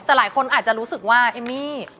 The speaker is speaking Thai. แต่หลายคนอาจจะรู้สึกว่าเอมมี่